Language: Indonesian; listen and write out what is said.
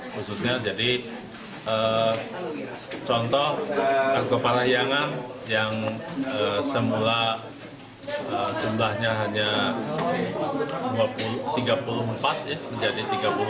khususnya jadi contoh argo parahyangan yang semula jumlahnya hanya tiga puluh empat menjadi tiga puluh